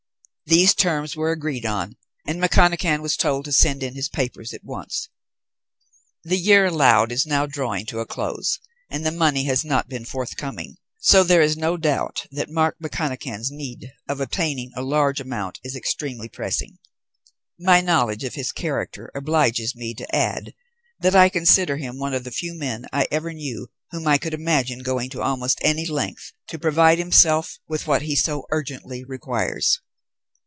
These terms were agreed on and McConachan was told to send in his papers at once. "The year allowed is now drawing to a close, and the money has not been forthcoming, so that there is no doubt that Mark McConachan's need of obtaining a large amount is extremely pressing. My knowledge of his character obliges me to add that I consider him one of the few men I ever knew whom I could imagine going to almost any length to provide himself with what he so urgently requires.